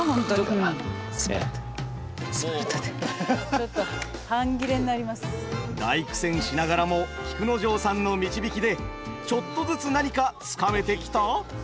ちょっと大苦戦しながらも菊之丞さんの導きでちょっとずつ何かつかめてきた？